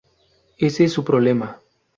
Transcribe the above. Ese es su problema.